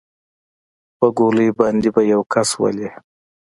په ګولۍ باندې به يو کس ولې.